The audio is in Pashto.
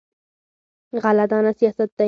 غله دانه سیاست دی.